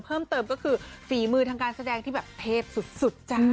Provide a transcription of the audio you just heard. เพิ่มเติมก็คือฝีมือทางการแสดงที่แบบเทพสุดจ้ะ